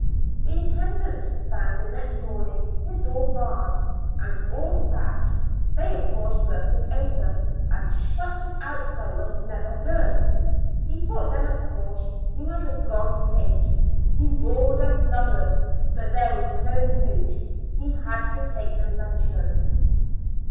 The attendants found the next morning his door barred, and all fast, they of course burst it open, and such an outcry was never heard ! He thought then of course he was a gone case. He roared and blubbered — but there was no use, he had to take the medicine.